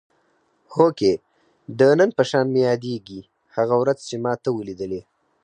هوکې د نن په شان مې یادېږي هغه ورځ چې ما ته ولیدلې.